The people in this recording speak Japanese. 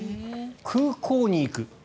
空港に行く。